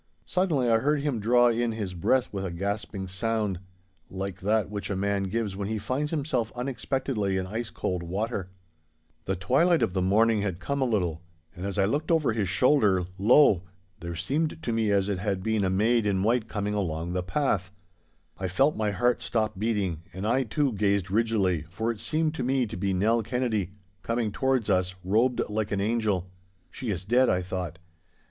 Suddenly I heard him draw in his breath with a gasping sound, like that which a man gives when he finds himself unexpectedly in ice cold water. The twilight of the morning had come a little, and as I looked over his shoulder, lo! there seemed to me as it had been a maid in white coming along the path. I felt my heart stop beating, and I, too, gazed rigidly, for it seemed to me to be Nell Kennedy, coming towards us, robed like an angel. 'She is dead!' I thought.